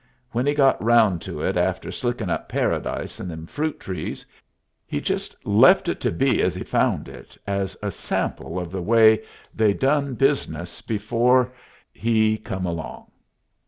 When He got around to it after slickin' up Paradise and them fruit trees, He just left it to be as He found it, as a sample of the way they done business before He come along.